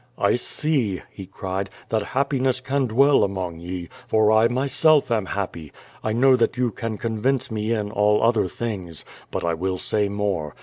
'T see," he cried, "that happiness can dwell among ye, for I myself am happy. I know that you can convince me in al) other things. But I will say more.